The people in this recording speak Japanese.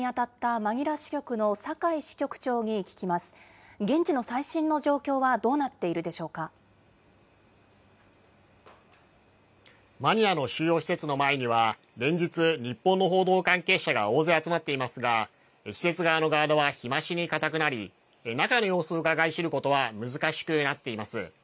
マニラの収容施設の前には、連日、日本の報道関係者が大勢集まっていますが、施設側のガードは日増しに堅くなり、中の様子をうかがい知ることは難しくなっています。